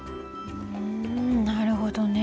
ふんなるほどね。